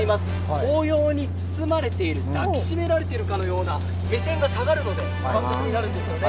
紅葉に包まれている抱き締められているかのような、目線が下がるので感覚になるんですよね。